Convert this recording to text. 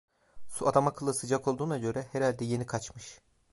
Su adamakıllı sıcak olduğuna göre, herhalde yeni kaçmış.